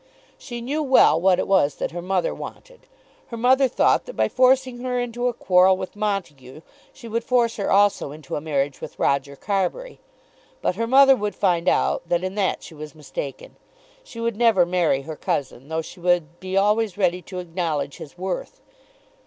She knew well what it was that her mother wanted. Her mother thought that by forcing her into a quarrel with Montague she would force her also into a marriage with Roger Carbury. But her mother would find out that in that she was mistaken. She would never marry her cousin, though she would be always ready to acknowledge his worth.